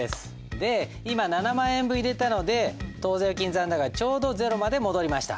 で今７万円分入れたので当座預金残高がちょうどゼロまで戻りました。